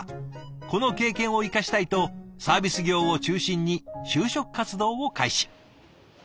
この経験を生かしたいとサービス業を中心に就職活動を開始。